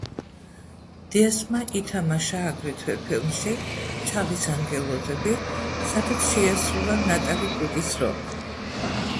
დიასმა ითამაშა აგრეთვე ფილმში „ჩარლის ანგელოზები“, სადაც შეასრულა ნატალი კუკის როლი.